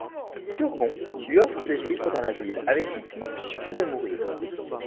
Turgon lui offrit de vivre dans la ville avec son fils ou de mourir.